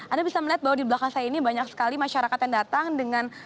anda bisa melihat bahwa di belakang saya ini banyak sekali masyarakat yang datang dengan